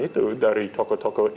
itu dari tokoh tokoh